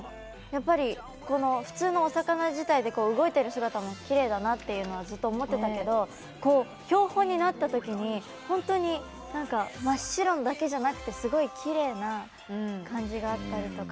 普通のお魚自体、動いている姿もきれいだなというのはずっと思ってたけど標本になった時に本当に真っ白なだけじゃなくてきれいな感じがあったりとか。